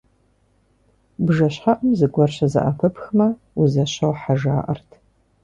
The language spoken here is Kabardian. Бжэщхьэӏум зыгуэр щызэӏэпыпхмэ, узэщохьэ жаӏэрт.